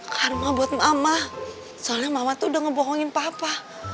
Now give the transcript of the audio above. karma buat mama soalnya mama tuh udah ngebohongin papa